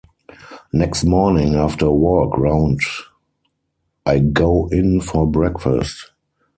Next morning after a walk round I go in for breakfast.